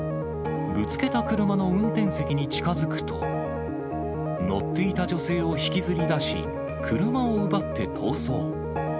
ぶつけた車の運転席に近づくと、乗っていた女性を引きずりだし、車を奪って逃走。